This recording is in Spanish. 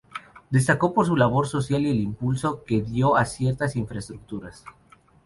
Destacó por su labor social y el impulso que dio a ciertas infraestructuras.